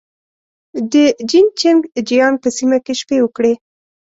د جين چنګ جيانګ په سیمه کې شپې وکړې.